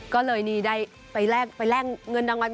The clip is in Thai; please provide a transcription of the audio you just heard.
ก็เลยนี่ได้ไปแลกเงินรางวัล